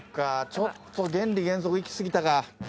ちょっと原理原則いき過ぎたか。